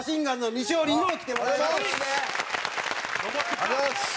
ありがとうございます！